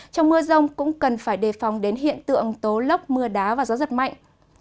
trong mưa rông cũng cần phải đề phòng đến hiện tượng tố lốc mưa đá và gió giật mạnh